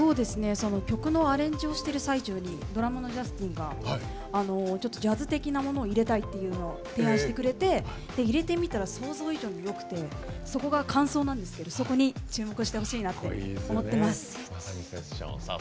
曲のアレンジをしてる最中にドラムのジャスティンがジャズ的なものを入れたいというのを提案してくれて入れてみたら想像以上によくてそこが間奏なんですけどそこに注目してほしいなと思います。